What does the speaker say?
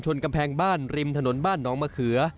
กำแพงบ้านริมถนนบ้านหนองมะเขือ